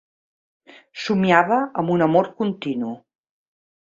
Somiava amb un amor continu